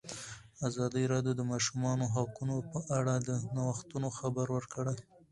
ازادي راډیو د د ماشومانو حقونه په اړه د نوښتونو خبر ورکړی.